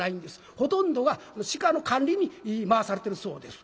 ほとんどが鹿の管理に回されてるそうです。